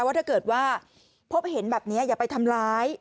ว่าถ้าเกิดว่าพบเห็นแบบนี้อย่าไปทำร้าย